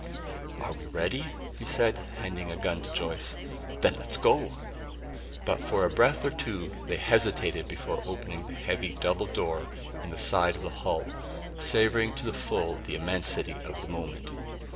"Are we ready?" he said, handing a gun to Joyce. "Then let's go!" But for a breath or two they hesitated before opening the heavy double door in the side of the hull, savoring to the full the immensity of the moment.